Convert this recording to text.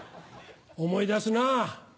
思い出すなぁ。